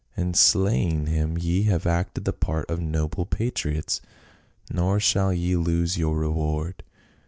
In slaying him ye have acted the part of noble patriots, nor shall ye lose your reward."